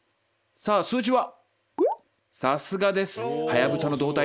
さあ数字は？